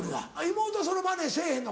妹はそのマネせぇへんの？